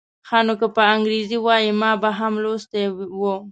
ښه نو که په انګریزي وای ما به هم لوستی و.